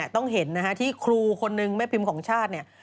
ต้องเห็นที่ครูคนนึงแม่พิมพ์ของชาติ